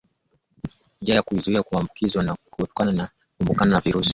Njia bora ya kuzuia kuambukizwa ni kuepukana na kukumbana na virusi